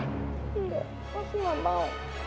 enggak mas gak mau